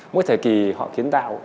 mỗi thời kỳ họ kiến tạo